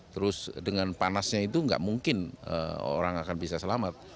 terus dengan panasnya itu nggak mungkin orang akan bisa selamat